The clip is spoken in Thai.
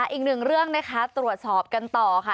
อีกหนึ่งเรื่องนะคะตรวจสอบกันต่อค่ะ